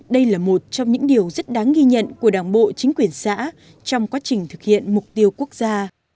đây là một trong những điều rất đáng ghi nhận của đảng bộ chính quyền xã trong quá trình thực hiện mục tiêu quốc gia